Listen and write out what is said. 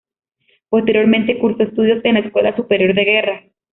Posteriormente cursó estudios en la Escuela Superior de Guerra.